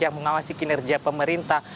yang mengawasi kinerja pemerintah